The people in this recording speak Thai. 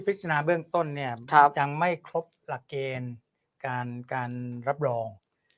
ณเบื้องต้นเนี่ยยังไม่ครบหลักเกณฑ์การรับรอง